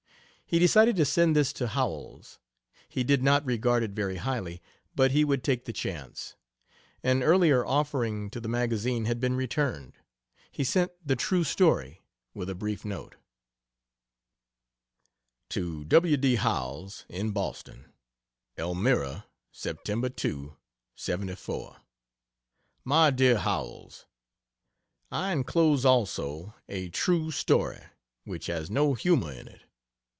He decided to send this to Howells. He did not regard it very highly, but he would take the chance. An earlier offering to the magazine had been returned. He sent the "True Story," with a brief note: To W. D. Howells, in Boston: ELMIRA, Sept. 2, '74. MY DEAR HOWELLS, .....I enclose also a "True Story" which has no humor in it.